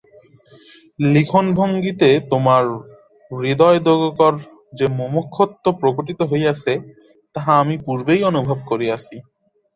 লিখনভঙ্গীতে তোমার হৃদয়োদ্বেগকর যে মুমুক্ষুত্ব প্রকটিত হইয়াছে, তাহা আমি পূর্বেই অনুভব করিয়াছি।